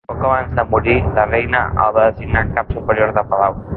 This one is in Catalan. Poc abans de morir, la Reina el va designar Cap Superior de Palau.